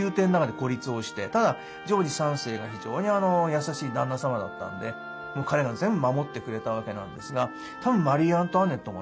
ただジョージ３世が非常に優しい旦那様だったので彼が全部守ってくれたわけなんですがたぶんマリー・アントワネットもね